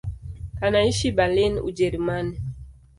Anaishi Berlin, Ujerumani.